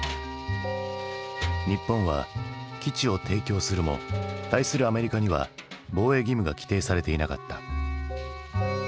日本は基地を提供するも対するアメリカには防衛義務が規定されていなかった。